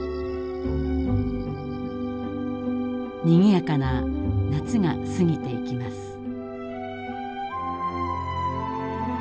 にぎやかな夏が過ぎていきます。